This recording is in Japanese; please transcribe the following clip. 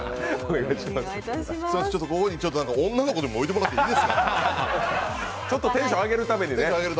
ここに女の子でも置いてもらっていいですか、テンション上げるために。